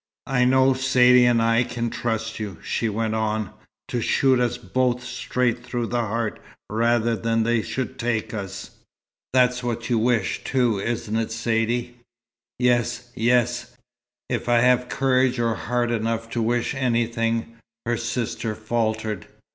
"I know Saidee and I can trust you," she went on, "to shoot us both straight through the heart rather than they should take us. That's what you wish, too, isn't it, Saidee?" "Yes yes, if I have courage or heart enough to wish anything," her sister faltered.